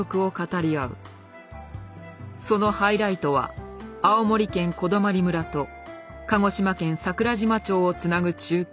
そのハイライトは青森県小泊村と鹿児島県桜島町をつなぐ中継。